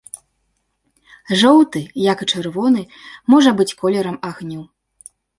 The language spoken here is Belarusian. Жоўты, як і чырвоны, можа быць колерам агню.